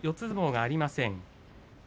相撲がありません。